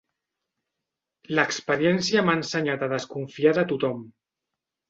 L'experiència m'ha ensenyat a desconfiar de tothom.